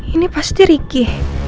ini pas diriki